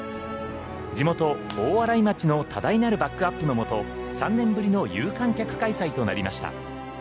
地元・大洗町の多大なるバックアップの元３年ぶりの有観客開催となりました。